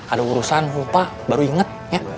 ada urusan lupa baru inget ya